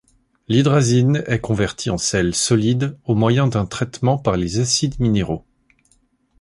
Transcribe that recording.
L’hydrazine est convertie en sels solides au moyen d’un traitement par les acides minéraux.